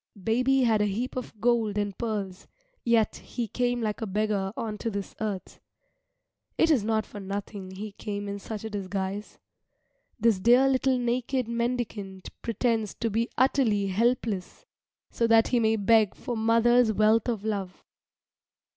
Baby had a heap of gold and pearls, yet he came like a beggar on to this earth. It is not for nothing he came in such a disguise. This dear little naked mendicant pretends to be utterly helpless, so that he may beg for mother's wealth of love.